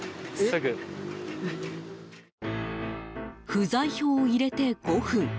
不在票を入れて５分。